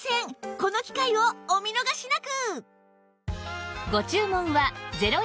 この機会をお見逃しなく